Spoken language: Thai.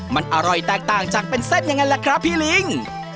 มันอร่อยแตกต่างจากเป็นเส้นยังไงล่ะครับพี่ลิง